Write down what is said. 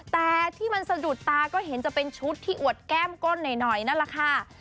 แต่ที่มันสะดุดตาก็เห็นจะเป็นชุดที่อวดแก้มก้นหน่อยนั่นแหละค่ะ